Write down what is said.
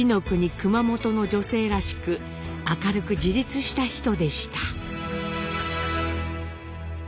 熊本の女性らしく明るく自立した人でした。